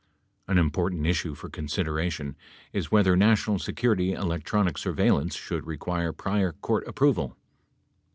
An important issue for consideration is whether national security electronic surveillance should require prior court approval.